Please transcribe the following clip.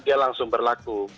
dia langsung berlaku